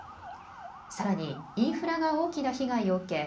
さらにインフラが大きな被害を受け